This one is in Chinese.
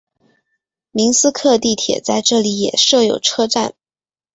明斯克地铁在这里也设有车站。